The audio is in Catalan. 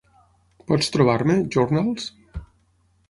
Pots trobar-me, Journals?